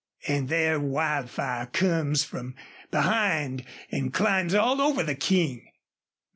An' there Wildfire comes from behind an' climbs all over the King!